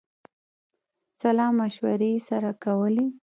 سلامشورې یې سره کولې.